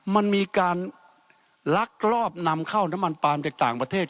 มันมีการลักลอบนำเข้าน้ำมันปาล์มจากต่างประเทศ